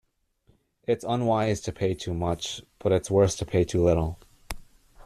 It's unwise to pay too much, but it's worse to pay too little.